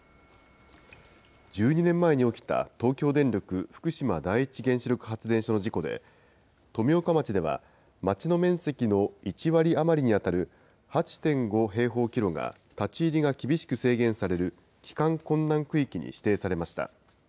１２年前に起きた、東京電力福島第一原子力発電所の事故で、富岡町では町の面積の１割余りに当たる８．５平方キロが、立ち入りが厳しく制限される帰還困難区域に指定されました。